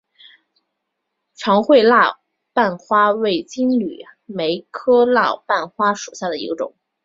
长穗蜡瓣花为金缕梅科蜡瓣花属下的一个种。